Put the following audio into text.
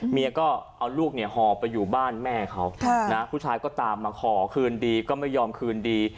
เมียก็เอาลูกเนี่ยหอบไปอยู่บ้านแม่เขานะผู้ชายก็ตามมาขอคืนดีก็ไม่ยอมคืนดี